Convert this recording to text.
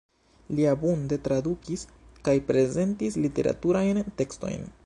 Li abunde tradukis kaj prezentis literaturajn tekstojn.